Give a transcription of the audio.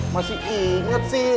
masih inget sih